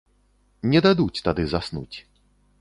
Не дадуць тады заснуць.